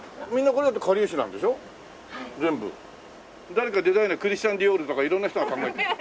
誰かデザイナークリスチャン・ディオールとか色んな人が考えて。